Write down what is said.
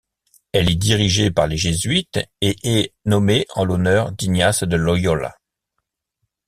Elle est dirigée par les jésuites et est nommée en l'honneur d'Ignace de Loyola.